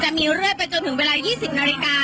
เรื่อยไปจนถึงเวลา๒๐นาฬิกา